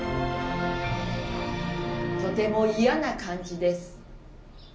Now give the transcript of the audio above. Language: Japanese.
「とてもいやな感じです」。